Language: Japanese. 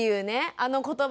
あの言葉。